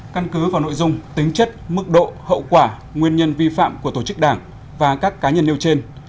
căn cứ vào nội dung tính chất mức độ hậu quả nguyên nhân vi phạm của tổ chức đảng và các cá nhân nêu trên